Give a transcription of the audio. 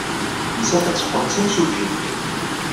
Nettat ad teqqel d timsujjit.